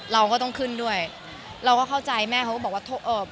เราก็ต้องขึ้นด้วยเราก็เข้าใจแม่เขาก็บอกว่าเอ่อ